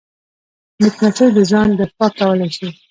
مچمچۍ د ځان دفاع کولی شي